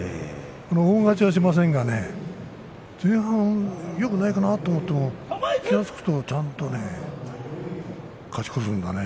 大勝ちはしないけれどね前半よくないかなと思うけど気がつくとちゃんと勝ち越しをするんだね。